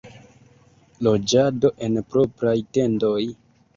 Loĝado en propraj tendoj.